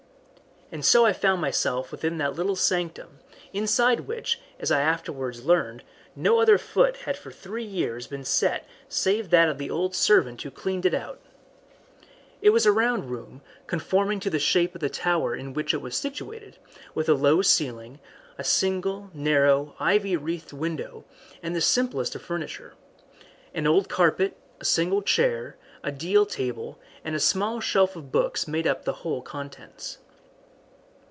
And so I found myself within that little sanctum, inside which, as I afterwards learned, no other foot had for three years been set save that of the old servant who cleaned it out. It was a round room, conforming to the shape of the tower in which it was situated, with a low ceiling, a single narrow, ivy wreathed window, and the simplest of furniture. An old carpet, a single chair, a deal table, and a small shelf of books made up the whole contents.